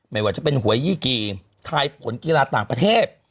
ไม่ว่าจะเป็นหวยยี่กีทายผลกีฬาต่างประเทศ